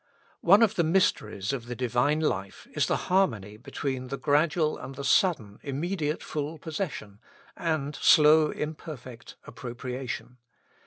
One of the mysteries of the Divine life is the harmony between the gradual and the sudden, immediate full possession, and slow imperfect appropriation.